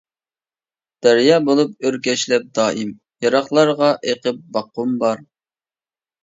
دەريا بولۇپ ئۆركەشلەپ دائىم، يىراقلارغا ئېقىپ باققۇم بار.